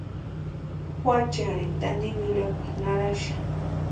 Juachiarini tanimirhakwa naraxa.